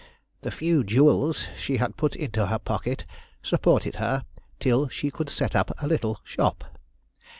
The few jewels she had put into her pocket supported her till she could set up a little shop.